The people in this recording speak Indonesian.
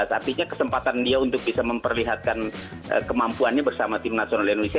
artinya kesempatan dia untuk bisa memperlihatkan kemampuannya bersama tim nasional indonesia